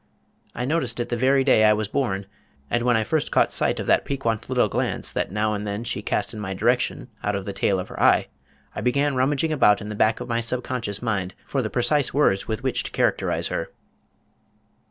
I noticed it the very day I was born, and when I first caught sight of that piquante little glance that now and then she cast in my direction out of the tail of her eye, I began rummaging about in the back of my subconscious mind for the precise words with which to characterize her.